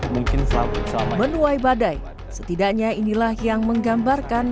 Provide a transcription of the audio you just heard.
menuai badai setidaknya inilah yang menggambarkan